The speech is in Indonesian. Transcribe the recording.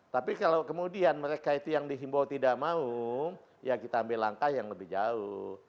tapi kalau kemudian mereka itu yang dihimbau tidak mau ya kita ambil langkah yang lebih jauh